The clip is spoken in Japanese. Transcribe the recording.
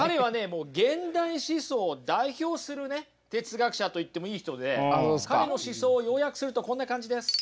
もう現代思想を代表する哲学者と言ってもいい人で彼の思想を要約するとこんな感じです。